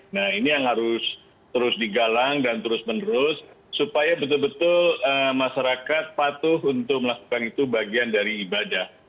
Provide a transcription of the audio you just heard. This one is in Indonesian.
nah ini yang harus terus digalang dan terus menerus supaya betul betul masyarakat patuh untuk melakukan itu bagian dari ibadah